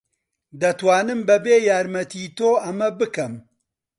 دەتوانم بەبێ یارمەتیی تۆ ئەمە بکەم.